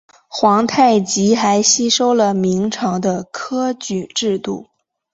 皇太极还吸收了明朝的科举制度。